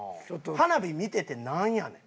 花火見ててなんやねん？